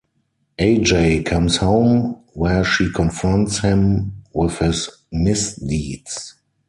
Ajay comes home, where she confronts him with his misdeeds.